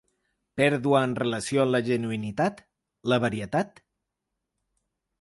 Pèrdua en relació amb la genuïnitat, la varietat…?